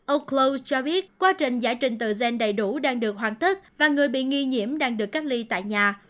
oclos cho biết quá trình giải trình tự gen đầy đủ đang được hoàn thất và người bị nghi nhiễm đang được cắt ly tại nhà